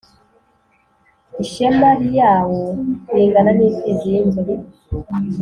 Ishema lyawo lingana n’imfizi y’inzovu!